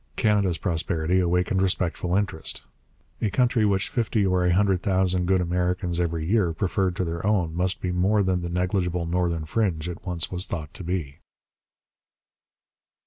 Canada's prosperity awakened respectful interest. A country which fifty or a hundred thousand good Americans every year preferred to their own must be more than the negligible northern fringe it once was thought to be.